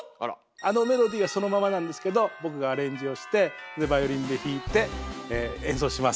あのメロディーはそのままなんですけど僕がアレンジをしてでバイオリンで弾いて演奏します。